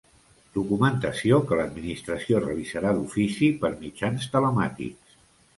Documentació que l'Administració revisarà d'ofici per mitjans telemàtics.